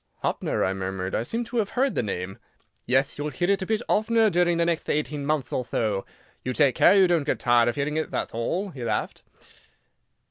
"Hoppner," I murmured, "I seem to have heard the name." "Yeth; you'll hear it a bit oftener during the next eighteen month or tho. You take care you don't get tired of hearing it, thath all," he laughed.